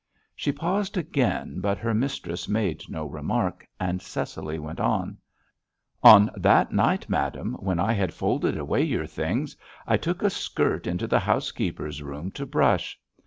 She paused again, but her mistress made no remark, and Cecily went on: "On that night, madame, when I had folded away your things, I took a skirt into the housekeeper's room to brush.